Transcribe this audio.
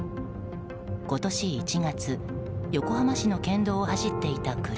今年１月横浜市の県道を走っていた車。